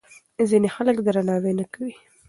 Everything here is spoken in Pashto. ځینې خلک درناوی نه کوي.